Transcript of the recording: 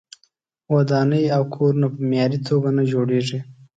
ودانۍ او کورونه په معیاري توګه نه جوړیږي.